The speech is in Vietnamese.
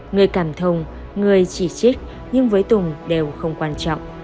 người cảm thông người chỉ trích nhưng với tùng đều không quan trọng